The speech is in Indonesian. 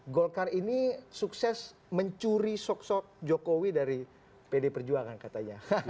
golkar ini sukses mencuri sok sok jokowi dari pd perjuangan katanya